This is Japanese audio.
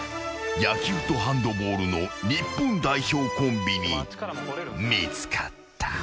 ［野球とハンドボールの日本代表コンビに見つかった］